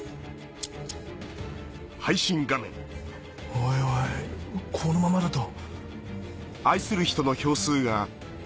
おいおいこのままだと。